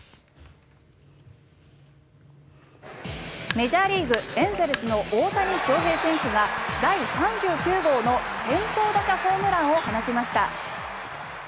メジャーリーグエンゼルスの大谷翔平選手が第３９号の先頭打者ホームランを放ちました。